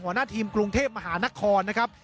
หัวหน้าทีมกรุงเทพมหานครนะครับ